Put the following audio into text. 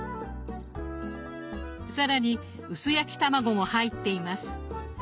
更に薄焼き卵も入っています。